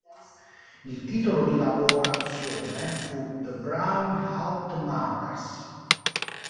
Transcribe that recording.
Il titolo di lavorazione fu "The Brown-out Murders".